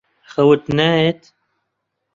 خەوت نایەت؟